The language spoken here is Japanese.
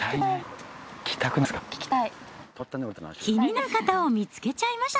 気になる方を見つけちゃいました。